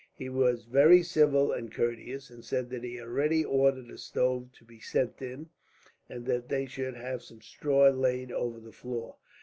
He was very civil and courteous, and said that he had already ordered a stove to be sent in, and that they should have some straw laid over the floor.